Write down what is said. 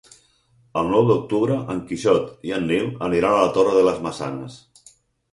El nou d'octubre en Quixot i en Nil aniran a la Torre de les Maçanes.